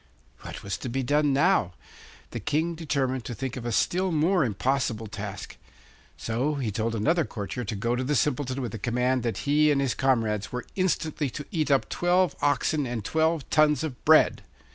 What was to be done now? The King determined to think of a still more impossible task. So he told another courtier to go to the Simpleton with the command that he and his comrades were instantly to eat up twelve oxen and twelve tons of bread.